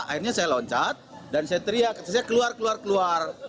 akhirnya saya loncat dan saya teriak saya keluar keluar